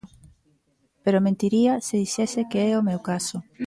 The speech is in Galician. Pero mentiría se dixese que é o meu caso.